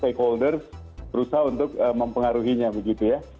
stakeholders berusaha untuk mempengaruhinya begitu ya